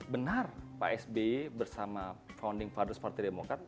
benar pak sby bersama founding fathers partai demokrat